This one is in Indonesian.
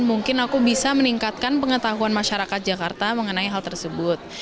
mungkin aku bisa meningkatkan pengetahuan masyarakat jakarta mengenai hal tersebut